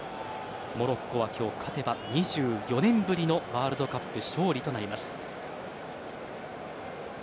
モロッコは今日、勝てば２４年ぶりのワールドカップ勝利となります。